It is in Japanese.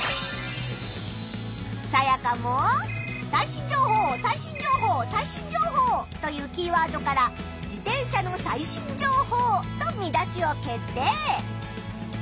サヤカも「最新情報」「最新情報」「最新情報」というキーワードから「自転車の最新情報」と見出しを決定！